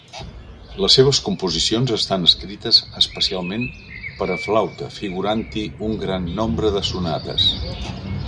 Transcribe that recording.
Les seves composicions estan escrites especialment per a flauta figurant-hi un gran nombre de sonates.